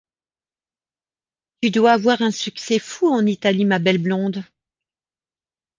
Tu dois avoir un succès fou en Italie, ma belle blonde.